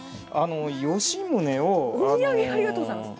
ありがとうございます。